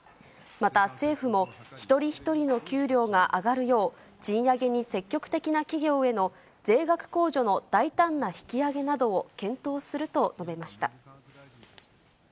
また、政府も、一人一人の給料が上がるよう、賃上げに積極的な企業への税額控除の大胆な引き上げなどを検討すると述べました。